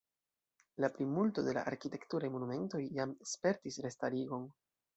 La plimulto de la arkitekturaj monumentoj jam spertis restarigon.